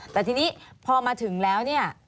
แต่ทีนี้พอมาถึงแล้ว